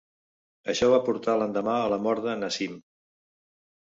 Això va portar l'endemà a la mort de Naseem.